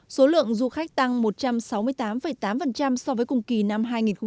số lượng du khách tăng một trăm sáu mươi tám tám so với cùng kỳ năm hai nghìn một mươi tám